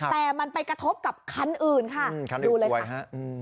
แต่มันไปกระทบกับคันอื่นค่ะดูเลยค่ะฮะ